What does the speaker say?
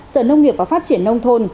sở nông nghiệp và phát triển nông thôn